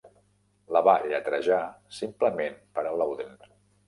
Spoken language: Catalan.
La va lletrejar simplement per a Louden.